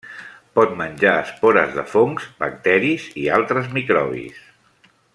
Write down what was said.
Pot menjar espores de fongs, bacteris i altres microbis.